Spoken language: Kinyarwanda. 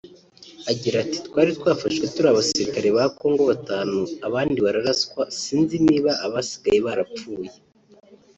Agira ati “Twari twafashwe turi abasirikare ba Kongo batanu abandi bararaswa sinzi niba abasigaye barapfuye